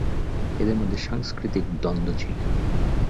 এদের মধ্যে সাংস্কৃতিক দ্বন্দ্ব ছিল।